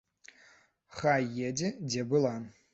Хай едзе, дзе была.